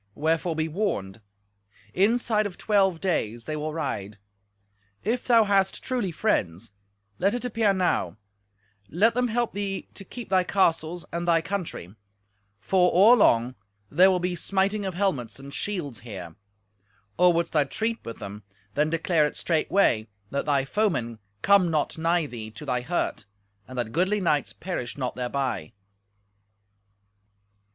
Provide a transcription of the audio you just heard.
Wherefore be warned. Inside of twelve days they will ride. If thou hast truly friends, let it appear now; let them help thee to keep thy castles and they country, for, or long, there will be smiting of helmets and shields here. Or wouldst thou treat with them, then declare it straightway, that thy foemen come not nigh thee to thy hurt, and that goodly knights perish not thereby."